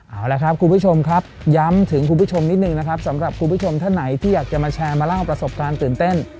เอาละครับคุณผู้ชมครับย้ำถึงคุณผู้ชมนิดนึงนะครับสำหรับคุณผู้ชมท่านไหนที่อยากจะมาแชร์มาเล่าประสบการณ์ตื่นเต้น